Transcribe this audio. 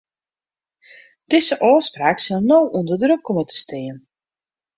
Dizze ôfspraak sil no ûnder druk komme te stean.